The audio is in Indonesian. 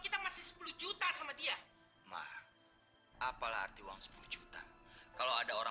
sampai jumpa di video selanjutnya